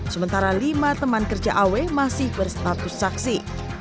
sementara lima teman kerja aw masih berstatus saksi